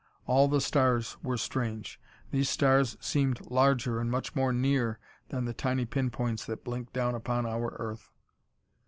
All the stars were strange. These stars seemed larger and much more near than the tiny pinpoints that blink down upon our earth.